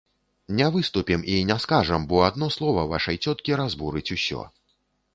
Не выступім і не скажам, бо адно слова вашай цёткі разбурыць усё.